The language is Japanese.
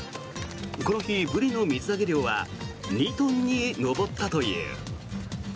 この日、ブリの水揚げ量は２トンに上ったという。